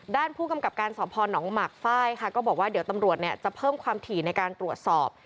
ด้านผู้กำกับการสอบพอหนองหมากฝ้ายค่ะก็บอกว่าเดี๋ยวตำรวจเนี่ยจะเพิ่มความถี่ในการตรวจสอบ